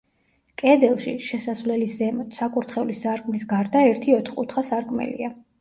კედელში, შესასვლელის ზემოთ, საკურთხევლის სარკმლის გარდა, ერთი ოთხკუთხა სარკმელია.